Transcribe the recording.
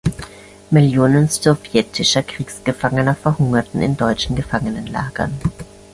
Millionen sowjetischer Kriegsgefangener verhungerten in deutschen Gefangenenlagern.